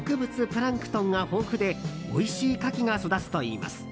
プランクトンが豊富でおいしいカキが育つといいます。